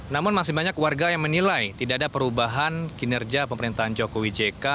namun masih banyak warga yang menilai tidak ada perubahan kinerja pemerintahan jokowi jk